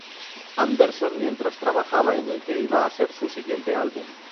Anderson mientras trabajaba en el que iba a ser su siguiente álbum.